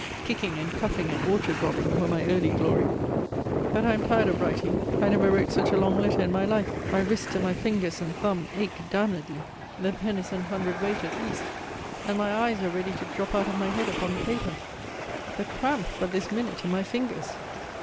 Kicking and cuffing, and orchard robbing, were my early glory. But I am tired of writing. I never wrote such a long letter in my life. My wrist and my fingers and thumb ache d n y. The pen is an hundred weight at least. And my eyes are ready to drop out of my head upon the paper. The cramp but this minute in my fingers.